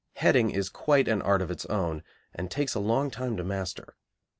Heading is quite an art of its own, and takes a long time to master.